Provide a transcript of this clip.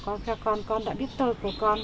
con đã biết tôi là con con con đã biết tôi là con con